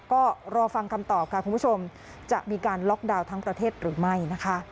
ก็รอฟังคำตอบค่ะคุณผู้ชมจะมีการล็อกดาวน์ทั้งประเทศหรือไม่นะคะ